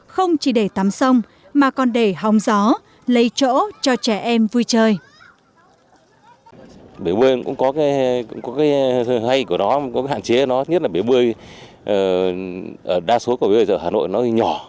không chỉ để tắm sông mà còn để hòng gió lấy chỗ cho trẻ em vui chơi